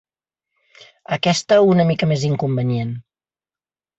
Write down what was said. Aquesta una mica més inconvenient.